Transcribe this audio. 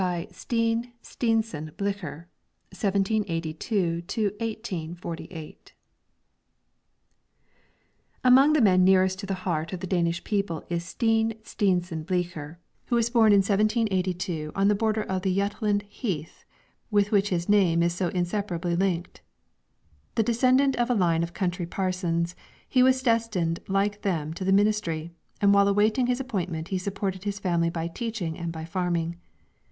This is also true of architecture. STEEN STEENSEN BLICHER (1782 1848) Among the men nearest to the heart of the Danish people is Steen Steensen Blicher, who was born in 1782 on the border of the Jutland heath with which his name is so inseparably linked. The descendant of a line of country parsons, he was destined like them to the ministry, and while awaiting his appointment he supported his family by teaching and by farming.